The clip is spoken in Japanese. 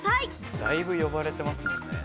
だいぶ呼ばれていますよね。